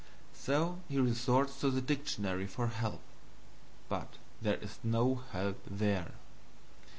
So he resorts to the dictionary for help, but there is no help there.